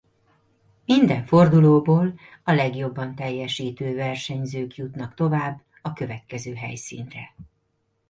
Minden fordulóból a legjobban teljesítő versenyzők jutnak tovább a következő helyszínre.